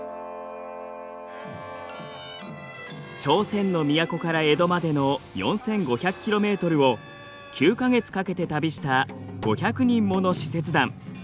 朝鮮の都から江戸までの４，５００ｋｍを９か月かけて旅した５００人もの使節団。